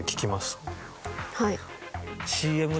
はい。